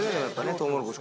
トウモロコシ